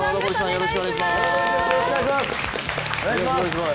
よろしくお願いします。